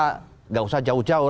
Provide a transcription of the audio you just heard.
tidak usah jauh jauh